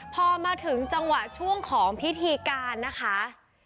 พอมาถึงจังหวะช่วงของพิธีการนะคะ